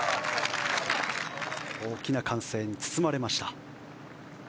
大きな歓声に包まれました。